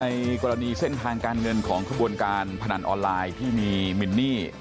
ในกรณีเส้นทางการเงินของขบวนการพนันออนไลน์ที่มีมินนี่